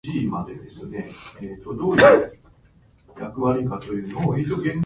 グアムは人気の観光地だ